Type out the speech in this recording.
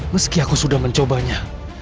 meski aku sudah mencobanya